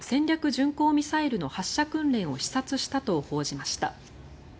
巡航ミサイルの発射訓練を視察したと報じました。